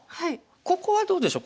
ここはどうでしょう。